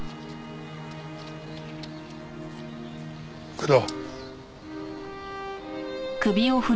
工藤。